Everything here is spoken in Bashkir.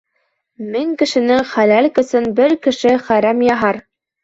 Мең кешенең хәләл көсөн бер кеше хәрәм яһар.